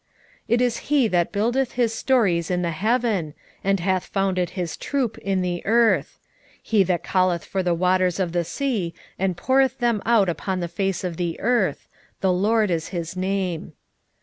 9:6 It is he that buildeth his stories in the heaven, and hath founded his troop in the earth; he that calleth for the waters of the sea, and poureth them out upon the face of the earth: The LORD is his name.